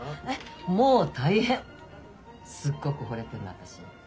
もう大変すっごくほれてるの私に。